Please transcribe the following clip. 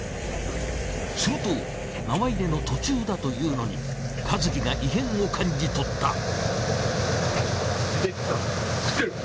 すると縄入れの途中だというのに和喜が異変を感じ取った。